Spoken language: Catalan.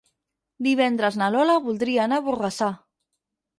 Divendres na Lola voldria anar a Borrassà.